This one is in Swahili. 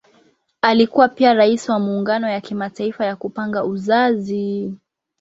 Alikuwa pia Rais wa Muungano ya Kimataifa ya Kupanga Uzazi.